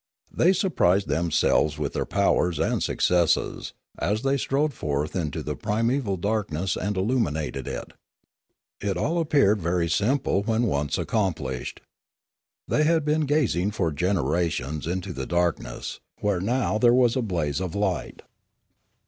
They surprised them selves with their powers and successes, as they strode forth into the primeval darkness and illuminated it. It all appeared very simple when once accomplished. They had been gazing for generations into the dark ness, where now there was a blaze of light.